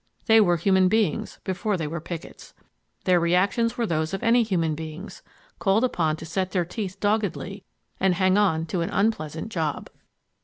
They were human beings before they were pickets. Their reactions were those of any human beings called upon to set their teeth doggedly and hang on to an unpleasant job.